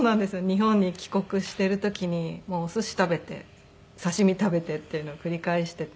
日本に帰国している時におすし食べて刺し身食べてっていうのを繰り返していて。